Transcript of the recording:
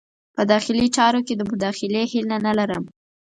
په داخلي چارو کې د مداخلې هیله نه لرم.